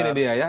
ini dia ya